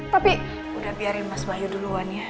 tapi udah biarin mas bayu duluan ya